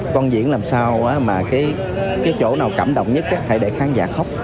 con diễn làm sao mà cái chỗ nào cảm động nhất thì hãy để khán giả khóc